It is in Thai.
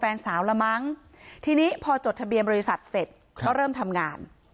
เพราะไม่มีเงินไปกินหรูอยู่สบายแบบสร้างภาพ